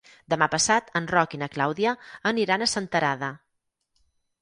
Demà passat en Roc i na Clàudia aniran a Senterada.